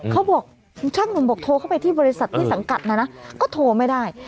เขาบอกช่างหนุ่มบอกโทรเข้าไปที่บริษัทที่สังกัดนะนะก็โทรไม่ได้